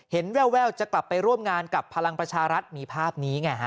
แววจะกลับไปร่วมงานกับพลังประชารัฐมีภาพนี้ไงฮะ